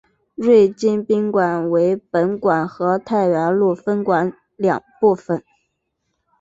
瑞金宾馆分为本馆和太原路分馆两部份。